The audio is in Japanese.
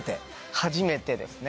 初めてですね。